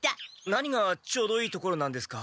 何がちょうどいいところなんですか？